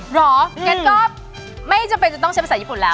เหรองั้นก็ไม่จำเป็นจะต้องใช้ภาษาญี่ปุ่นแล้ว